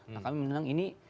nah kami bilang ini